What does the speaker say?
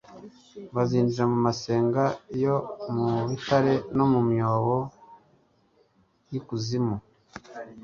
bazinjira mu masenga yo mu bitare no mu myobo y'ikuzimu